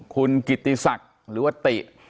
คุณกิติศักดิ์หรือว่าติ